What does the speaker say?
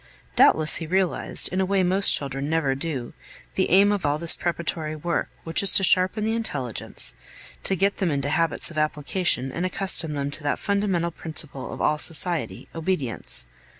Doubtless he realized, in a way most children never do, the aim of all this preparatory work, which is to sharpen the intelligence, to get them into habits of application and accustom them to that fundamental principle of all society obedience.